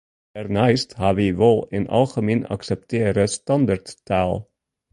Dêrneist ha wy wol in algemien akseptearre standerttaal.